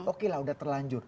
oke lah udah terlanjur